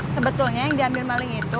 sebetulnya yang diambil maling itu